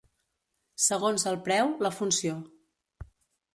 Segons el preu, la funció.